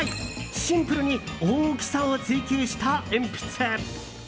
シンプルに大きさを追求した鉛筆。